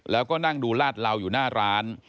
แล้วก็นั่งดูลาดเหลาอยู่หน้าร้าน